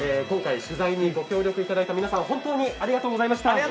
今回取材にご協力いただいた皆さん本当にありがとうございました。